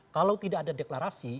kalau tidak ada deklarasi